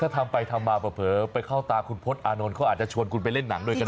ถ้าทำไปทำมาเผลอไปเข้าตาคุณพจน์อานนท์เขาอาจจะชวนคุณไปเล่นหนังด้วยก็ได้